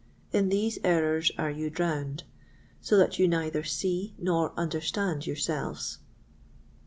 In these errors are you drowned, so that you neither see nor understand yourselves.